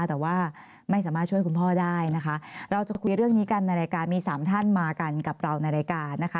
แต่ว่าไม่สามารถช่วยคุณพ่อได้นะคะเราจะคุยเรื่องนี้กันในรายการมีสามท่านมากันกับเราในรายการนะคะ